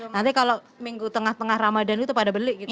nanti kalau minggu tengah tengah ramadan itu pada beli gitu